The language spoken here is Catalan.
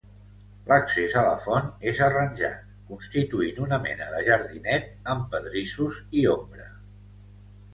L'accés a la font és arranjat, constituint una mena de jardinet, amb pedrissos i ombra.